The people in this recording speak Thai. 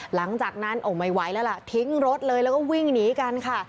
หลังจากนั้นโอ้ไม่ไหวแล้วล่ะทิ้งรถเลยแล้วก็วิ่งหนีกันค่ะ